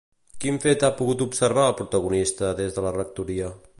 Quin fet ha pogut observar el protagonista des de la Rectoria?